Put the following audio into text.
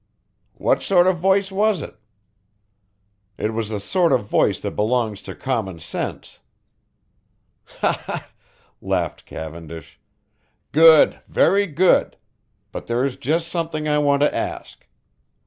"What sort of voice was it?" "It was the sort of voice that belongs to common sense." "Ha, ha," laughed Cavendish. "Good, very good, but there is just something I want to ask.